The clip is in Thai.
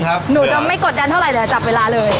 หนูจะไม่กดดันเท่าไหร่จับเวลาเลย